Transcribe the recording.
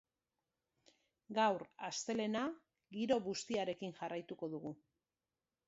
Gaur, astelehena, giro bustiarekin jarraituko dugu.